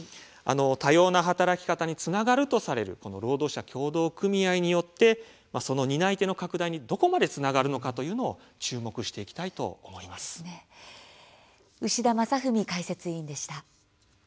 多様な働き方につながるとされる労働者協同組合によってその担い手の拡大にどこまでつながるのかを牛田正史解説委員でした。